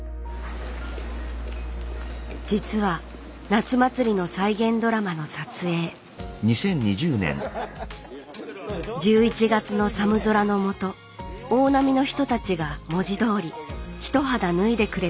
実は夏祭りの再現ドラマの撮影１１月の寒空のもと大波の人たちが文字どおり一肌脱いでくれたんです